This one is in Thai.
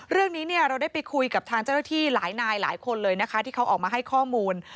เรื่องนี้เนี่ยเราได้ไปคุยกับทางเจ้าหน้าที่หลายนายหลายคนเลยนะคะที่เขาออกมาให้ข้อมูล